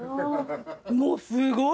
もうすごい。